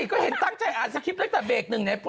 ก็เห็นตั้งใจอ่านสคริปต์ตั้งแต่เบรกหนึ่งเนี่ย